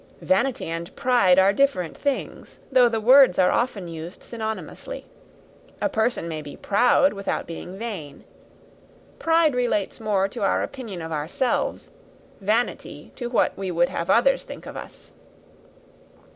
Vanity and pride are different things, though the words are often used synonymously. A person may be proud without being vain. Pride relates more to our opinion of ourselves; vanity to what we would have others think of us."